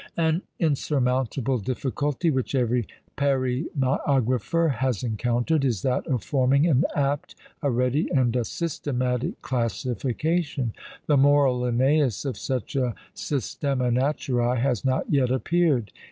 An insurmountable difficulty, which every paræmiographer has encountered, is that of forming an apt, a ready, and a systematic classification: the moral Linnæus of such a "systema naturæ" has not yet appeared.